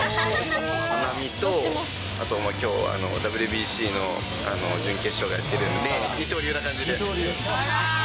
花見とあと、きょうはＷＢＣの準決勝やっているので、二刀流な感じで。